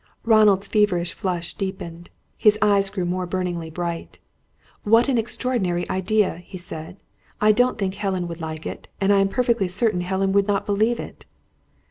Ronald's feverish flush deepened. His eyes grew more burningly bright. "What an extraordinary idea!" he said. "I don't think Helen would like it, and I am perfectly certain Helen would not believe it."